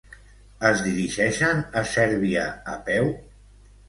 Es dirigeixen a Sèrbia a peu?